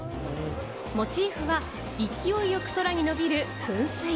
モチーフは勢いよく空に伸びる噴水。